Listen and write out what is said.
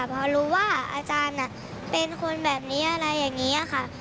พอรู้ว่าอาจารย์เป็นคนแบบนี้อะไรอย่างนี้ค่ะ